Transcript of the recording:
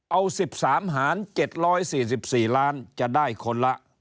เอา๑๓หาร๗๔๔ล้านจะได้คนละ